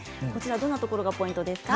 どんなところがポイントですか？